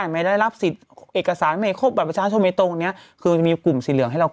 มากจะร้อยแล้ว